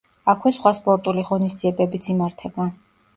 აქვე სხვა სპორტული ღონისძიებებიც იმართება.